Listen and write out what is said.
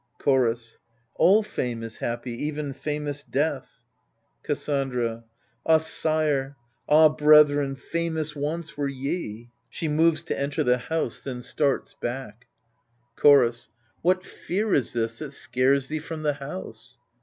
Chorus All fame is happy, even famous death, Cassandra Ah sire, ah brethren, famous once were ye ! \She moves to enter the house^ then starts back. 6o AGAMEMNON Chorus What fear is this that scares thee from the house